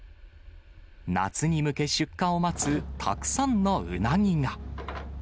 夏に向け、出荷を待つたくさんのうなぎが。